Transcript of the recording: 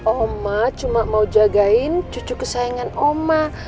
oma cuma mau jagain cucu kesayangan oma